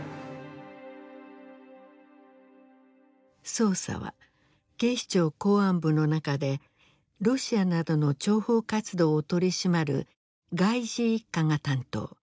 捜査は警視庁公安部の中でロシアなどの諜報活動を取り締まる外事一課が担当。